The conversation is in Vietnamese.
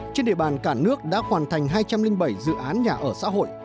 trên địa bàn cả nước đã hoàn thành hai trăm linh bảy dự án nhà ở xã hội